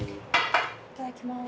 いただきます。